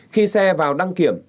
khi xe vào đăng kiểm